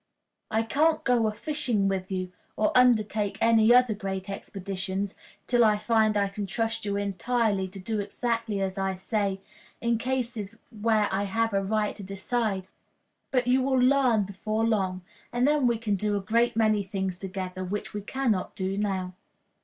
I can't go a fishing with you, or undertake any other great expeditions, till I find I can trust you entirely to do exactly as I say in cases where I have a right to decide; but you will learn before long, and then we can do a great many things together which we can not do now."